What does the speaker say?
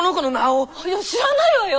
いや知らないわよ！